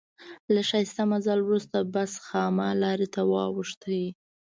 له ښایسته مزل وروسته بس خامه لارې ته واوښت.